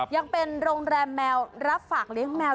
ยังเป็นโรงแรมแมวรับฝากเลี้ยงแมว